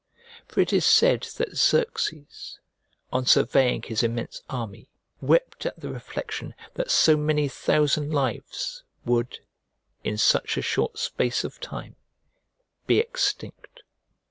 For it is said that Xerxes, on surveying his immense army, wept at the reflection that so many thousand lives would in such a short space of time be extinct.